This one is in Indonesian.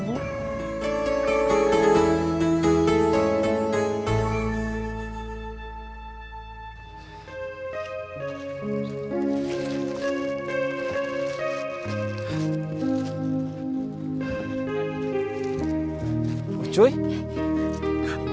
memang untuk hal itu bu